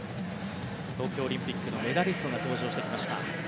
東京オリンピックのメダリストが登場してきました。